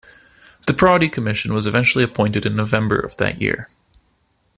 The Prodi Commission was eventually appointed in November of that year.